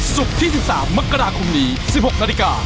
ศุกร์ที่๑๓มกราคมนี้๑๖นาทีกา